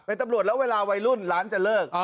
เป็นตำรวจแล้วเวลาวัยรุ่นร้านจะเลิก